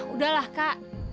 udah lah kak